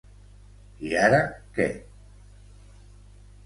I, ara, què?